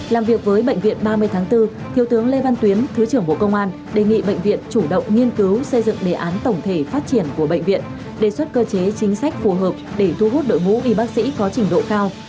làm việc với bệnh viện ba mươi tháng bốn thiếu tướng lê văn tuyến thứ trưởng bộ công an đề nghị bệnh viện chủ động nghiên cứu xây dựng đề án tổng thể phát triển của bệnh viện đề xuất cơ chế chính sách phù hợp để thu hút đội ngũ y bác sĩ có trình độ cao